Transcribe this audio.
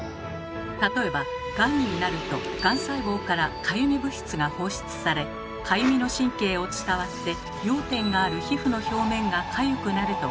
例えばがんになるとがん細胞からかゆみ物質が放出されかゆみの神経を伝わって痒点がある皮膚の表面がかゆくなると考えられています。